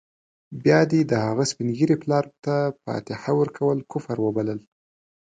بيا دې د هغه سپین ږیري پلار ته فاتحه ورکول کفر وبلل.